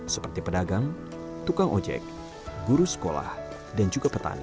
seperti pedagang tukang ojek guru sekolah dan juga petani